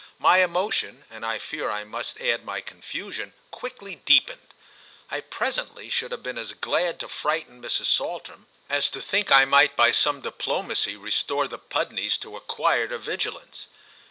My emotion, and I fear I must add my confusion, quickly deepened; I presently should have been as glad to frighten Mrs. Saltram as to think I might by some diplomacy restore the Pudneys to a quieter vigilance.